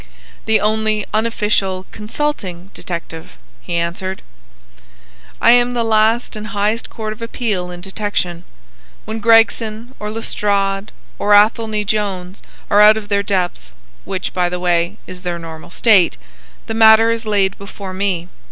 "The only unofficial consulting detective," he answered. "I am the last and highest court of appeal in detection. When Gregson or Lestrade or Athelney Jones are out of their depths—which, by the way, is their normal state—the matter is laid before me.